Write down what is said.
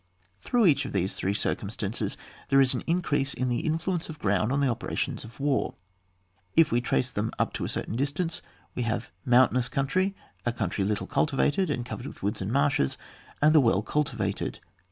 Through each of these three cir cumstances there is an increase in the influence of ground on the operations of war. If we trace them up to a certidn distance we have mountainous country, a country little cultivated and covered with woods and marshes, and the well cultivated.